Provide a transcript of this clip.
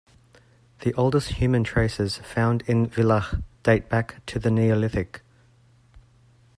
The oldest human traces found in Villach date back to the Neolithic.